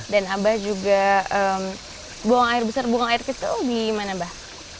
dan abah juga buang air besar buang air kecil di mana abah